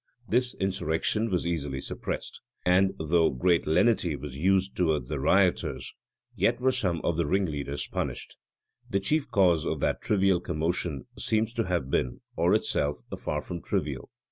This insurrection was easily suppressed; and, though great lenity was used towards the rioters, yet were some of the ringleaders punished. The chief cause of that trivial commotion seems to have been, of itself, far from trivial.